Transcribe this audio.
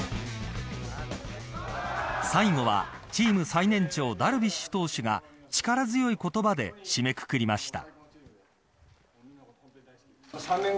最後はチーム最年長ダルビッシュ投手が力強い言葉で締めくくりました。